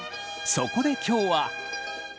そこで今日は。